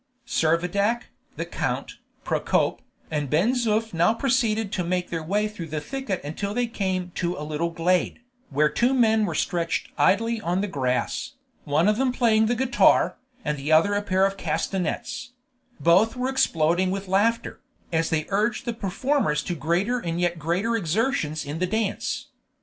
Servadac, the count, Procope, and Ben Zoof now proceeded to make their way through the thicket until they came to a little glade, where two men were stretched idly on the grass, one of them playing the guitar, and the other a pair of castanets; both were exploding with laughter, as they urged the performers to greater and yet greater exertions in the dance.